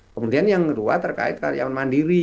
kemudian yang kedua terkait karyawan mandiri